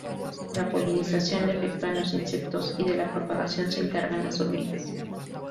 La polinización la efectúan los insectos y de la propagación se encargan las hormigas.